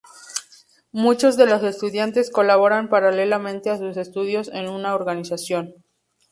Muchos de los estudiantes colaboran paralelamente a sus estudios en una organización.